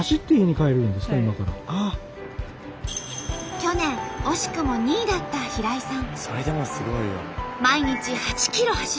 去年惜しくも２位だった平井さん。